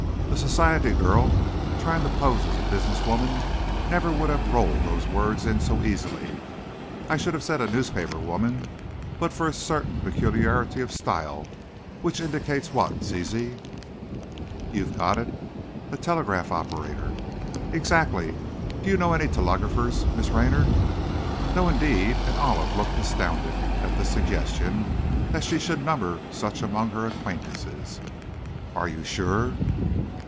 A society girl trying to pose as a business woman never would have rolled those words in so easily. I should have said a newspaper woman but for a certain peculiarity of style which indicates, what, Zizi?" "You've got it; a telegraph operator." "Exactly. Do you know any telegrapher, Miss Raynor?" "No, indeed!" and Olive looked astounded at the suggestion that she should number such among her acquaintances. "Are you sure?"